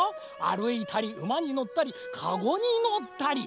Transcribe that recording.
あるいたりうまにのったりかごにのったり。